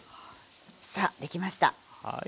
さあ出来ました。